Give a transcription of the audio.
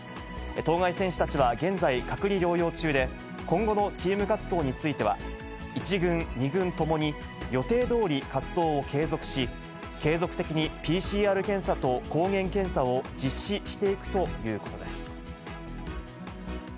当該選手たちは現在、隔離療養中で、今後のチーム活動については、１軍、２軍ともに、予定どおり活動を継続し、継続的にＰＣＲ検査と抗原検査を実施していくということです。